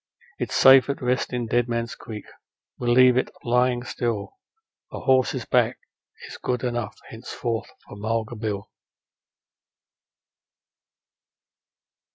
It's safe at rest in Dead Man's Creek, we'll leave it lying still; A horse's back is good enough henceforth for Mulga Bill.'